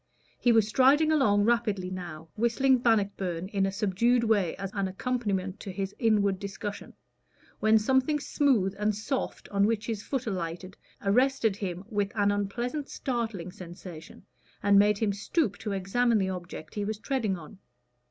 He was striding along rapidly now, whistling "Bannockburn" in a subdued way as an accompaniment to his inward discussion, when something smooth and soft on which his foot alighted arrested him with an unpleasant startling sensation, and made him stoop to examine the object he was treading on.